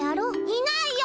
いないよ！